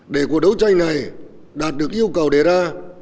để cuộc đấu tranh này đạt được yêu cầu đề ra